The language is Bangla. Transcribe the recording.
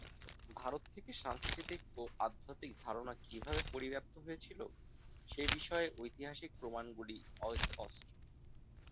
ভারত থেকে সাংস্কৃতিক ও আধ্যাত্মিক ধারণা কীভাবে পরিব্যাপ্ত হয়েছিল, সেই বিষয়ে ঐতিহাসিক প্রমাণগুলি অস্পষ্ট।